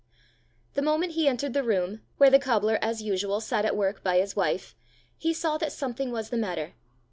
The moment he entered the room, where the cobbler as usual sat at work by his wife, he saw that something was the matter.